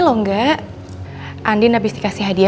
maksudnya mikhail nya makanya disort kita aja september